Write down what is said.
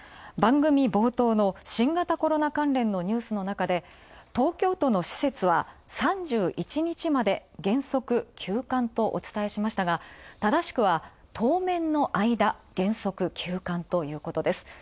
番組冒頭の新型コロナ関連のニュースのなかで東京都の施設は、３１日まで原則休館とお伝えしましたが、正しくは当面の間原則休館ということです。